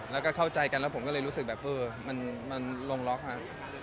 แล้วก็เข้าใจกันแล้วผมก็เลยรู้สึกแบบเออมันลงล็อกฮะ